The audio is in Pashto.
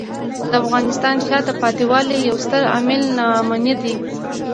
د افغانستان د شاته پاتې والي یو ستر عامل ناامني دی.